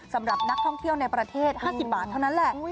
สำหรับนักท่องเที่ยวในประเทศ๕๐บาทเท่านั้นแหละ